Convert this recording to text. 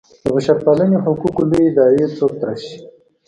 د بشرپالنې حقوقو لویې داعیې څوک تراشي.